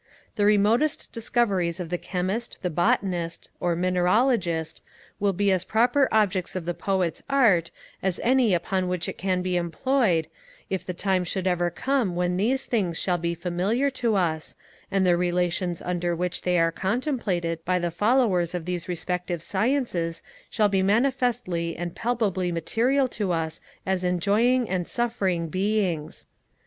The remotest discoveries of the Chemist, the Botanist, or Mineralogist, will be as proper objects of the Poet's art as any upon which it can be employed, if the time should ever come when these things shall be familiar to us, and the relations under which they are contemplated by the followers of these respective sciences shall be manifestly and palpably material to us as enjoying and suffering beings.